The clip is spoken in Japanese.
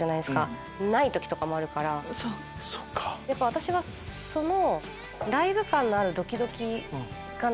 私はその。